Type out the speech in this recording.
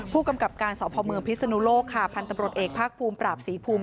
ผู้กำกับการสอบภอมเมืองพิศนุโลกพันธบรตเอกภาคภูมิปราบศรีภูมิ